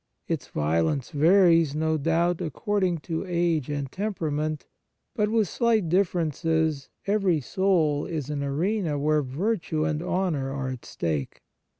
Its violence varies, no * Rom. vii. 19 25. 121 On Piety doubt, according to age and tempera ment ; but, with slight differences, every soul is an arena where virtue and honour are at stake.